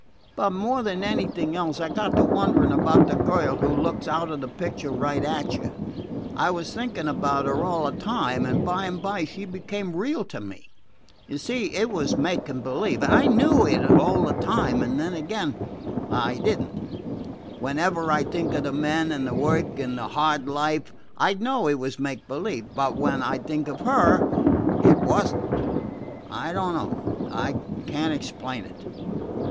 "But, more than anything else, I got to wondering about the girl who looks out of the picture right at you. I was thinking about her all the time, and by and by she became real to me. You see, it was making believe, and I knew it all the time, and then again I did n't. Whenever I 'd think of the men, and the work, and the hard life, I 'd know it was make believe; but when I 'd think of her, it was n't. I don't know; I can't explain it."